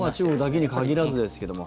中国だけに限らずですけども。